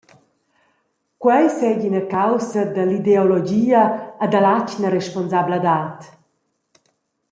Quei seigi ina caussa dall’ideologia e dall’atgna responsabladad.